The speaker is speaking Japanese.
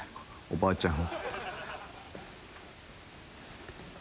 おばあちゃん！